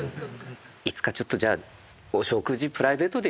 いつかちょっとじゃあお食事プライベートで行きますか。